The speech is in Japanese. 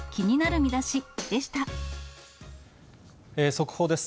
速報です。